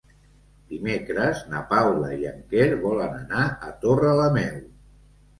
Dimecres na Paula i en Quer volen anar a Torrelameu.